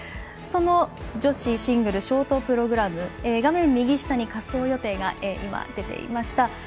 その女子シングルショートプログラム画面右下に滑走予定が出ていました。